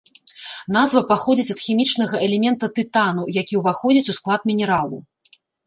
Назва паходзіць ад хімічнага элемента тытану, які ўваходзіць у склад мінералу.